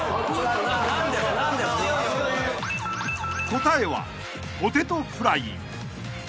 ［答えは「ポテトフライ」］